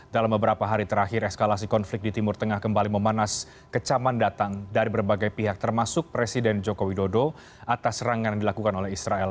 dalam beberapa hari terakhir eskalasi konflik di timur tengah kembali memanas kecaman datang dari berbagai pihak termasuk presiden joko widodo atas serangan yang dilakukan oleh israel